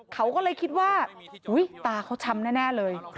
เขาก็เลยคิดว่าอุ๊ยตาเขาช้ำแน่เลย